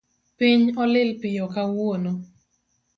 Piny olil piyo kawuono